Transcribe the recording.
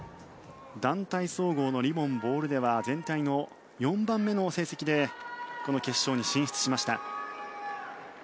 団体総合のリボン・ボールでは全体の４番目の成績でこの決勝に進出しました。